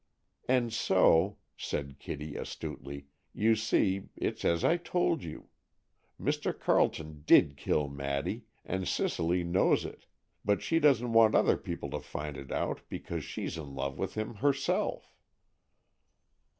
"And so," said Kitty, astutely, "you see, it's as I told you. Mr. Carleton did kill Maddy, and Cicely knows it, but she doesn't want other people to find it out, because she's in love with him herself!"